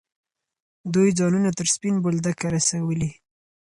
دوی ځانونه تر سپین بولدکه رسولي.